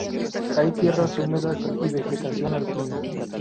Hay tierras húmedas y vegetación alpina.